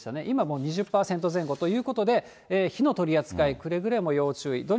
今もう２０％前後ということで、火の取り扱い、くれぐれも要注意。